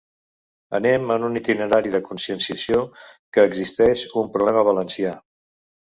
Anem en un itinerari de conscienciació que existeix un problema valencià.